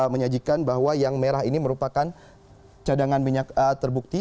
menyajikan bahwa yang merah ini merupakan cadangan minyak terbukti